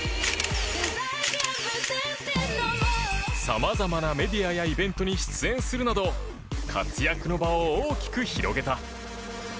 さまざまなメディアやイベントに出演するなど活躍の場を大きく広げた。